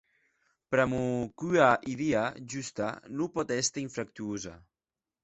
Pr'amor qu'ua idia justa non pòt èster infructuosa.